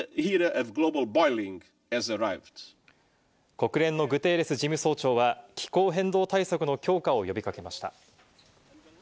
国連のグテーレス事務総長は気候変動対策の強化を呼び掛けました。